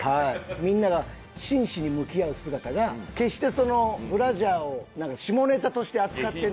みんなが真摯に向き合う姿が決してそのブラジャーを下ネタとして扱ってない。